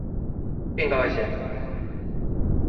變高一些